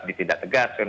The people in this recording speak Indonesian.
ditindak tegas kan